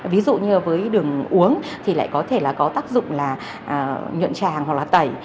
ví dụ như với đường uống thì lại có thể là có tác dụng là nhuận tràng hoặc là tẩy